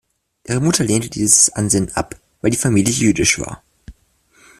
Ihre Mutter lehnte dieses Ansinnen ab, weil die Familie jüdisch war.